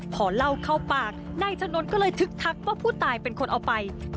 พอเล่าเข้าปากนายถนนก็เลยทึกทักว่าผู้ตายเป็นคนเอาไป